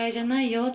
って